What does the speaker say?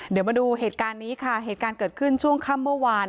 เดี๋ยวมาดูเหตุการณ์นี้ค่ะเหตุการณ์เกิดขึ้นช่วงค่ำเมื่อวาน